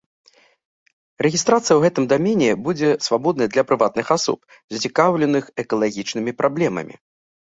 Рэгістрацыя ў гэтым дамене будзе свабоднай для прыватных асоб, зацікаўленых экалагічнымі праблемамі.